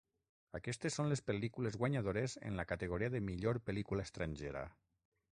Aquestes són les pel·lícules guanyadores en la categoria de millor pel·lícula estrangera.